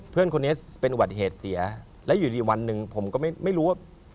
เพื่อนคนนี้เป็นอุบัติเหตุเสียแล้วอยู่ดีวันหนึ่งผมก็ไม่รู้ว่า